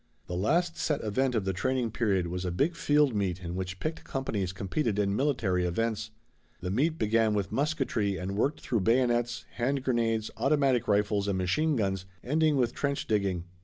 The last set event of the training period was a big field meet in which picked companies competed in military events. The meet began with musketry and worked through bayonets, hand grenades, automatic rifles, and machine guns, ending with trench digging.